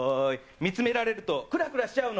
見つめられるとくらくらしちゃうの。